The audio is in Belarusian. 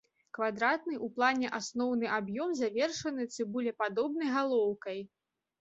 Квадратны ў плане асноўны аб'ём завершаны цыбулепадобнай галоўкай.